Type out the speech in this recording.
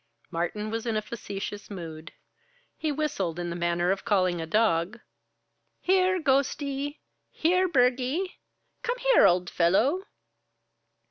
Martin was in a facetious mood. He whistled in the manner of calling a dog. "Here, Ghostie! Here, Burgie! Come here, old fellow!"